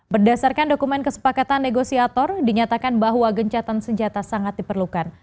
berdasarkan dokumen kesepakatan negosiator dinyatakan bahwa gencatan senjata sangat diperlukan